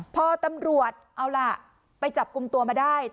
พอตำรวจเอาล่ะไปจับกลุ่มตัวมาได้